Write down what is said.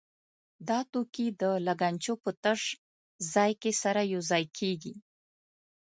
دا توکي د لګنچو په تش ځای کې سره یو ځای کېږي.